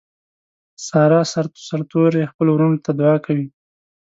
ساره سر سرتوروي خپلو ورڼو ته دعاکوي.